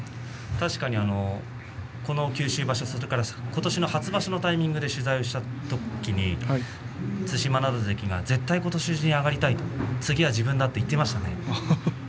確かに九州場所そして今年の初場所のタイミングで取材をした時に對馬洋関は絶対、今年中に上がりたい次は自分だと言っていましたね。